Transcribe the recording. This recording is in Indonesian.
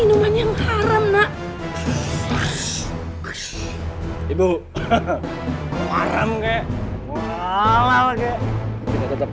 kita tetep larat kita tetep miskin gak kaya kaya